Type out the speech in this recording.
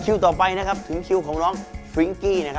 ปิดปากคุณได้ก็จะปิดปาก